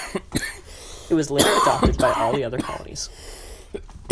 It was later adopted by all the other colonies.